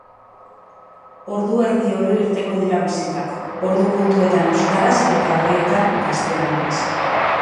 Ordu erdi oro irtengo dira bisitak, ordu puntuetan euskaraz eta erdietan gaztelaniaz.